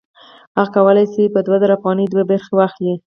هغه کولی شي په دوه زره افغانیو دوه برخې واخلي